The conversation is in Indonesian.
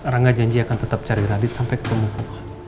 rangga janji akan tetap cari radit sampai ketemu